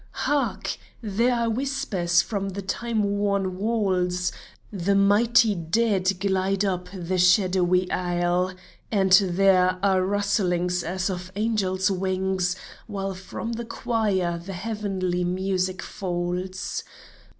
Hark ! There are whispers from the time worn walls ; The mighty dead glide up the shadowy aisle ; And there are rustlings as of angels' wings While from the choir the heavenly music falls